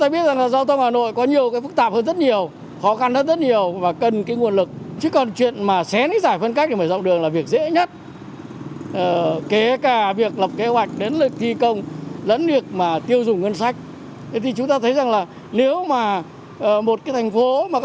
bây giờ mà xén đi thì cũng khá là tiếc